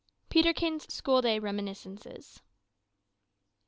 PETERKIN'S SCHOOLDAY REMINISCENCES.